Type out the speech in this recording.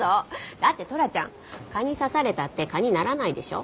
だってトラちゃん蚊に刺されたって蚊にならないでしょ？